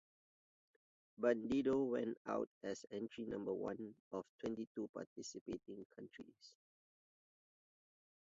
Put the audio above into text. "Bandido" went out as entry number one of twenty-two participating countries.